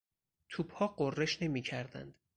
توپها غرش نمیکردند.